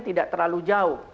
tidak terlalu jauh